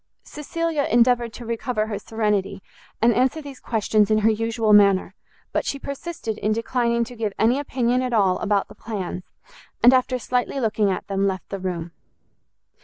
Cecilia endeavoured to recover her serenity, and answer these questions in her usual manner; but she persisted in declining to give any opinion at all about the plans, and, after slightly looking at them, left the room.